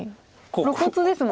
露骨ですもんね。